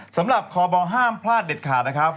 สำหรับคอบห้ามพลาดเด็ดขาดนะครับ